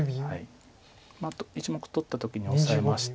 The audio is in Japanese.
あと１目取った時にオサえまして。